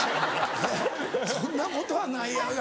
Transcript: そんなことはないやろ。